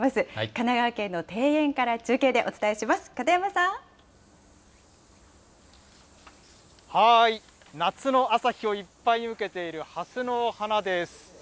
神奈川県の庭園から中継でお伝え夏の朝日をいっぱいに受けているはすの花です。